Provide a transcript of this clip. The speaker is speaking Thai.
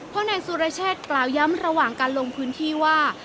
เพราะนายสุรเชษฐ์กล่าวย้ำระหว่างการลงพื้นที่ว่า